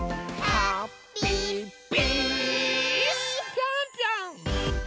ぴょんぴょん！